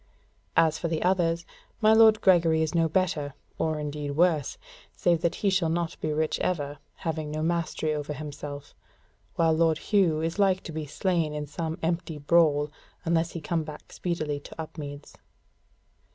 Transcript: As for the others, my lord Gregory is no better, or indeed worse, save that he shall not be rich ever, having no mastery over himself; while lord Hugh is like to be slain in some empty brawl, unless he come back speedily to Upmeads."